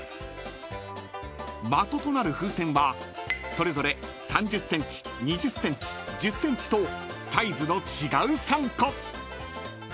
［的となる風船はそれぞれ３０ｃｍ２０ｃｍ１０ｃｍとサイズの違う３個］